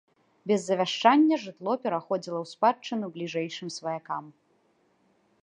Без завяшчання жытло пераходзіла ў спадчыну бліжэйшым сваякам.